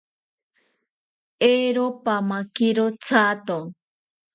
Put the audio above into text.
Eero, pamakiro thato